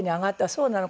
「そうなの。